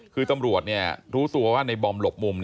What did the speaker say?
คือตำรวจรู้ตัวว่าในบอมหลบมุม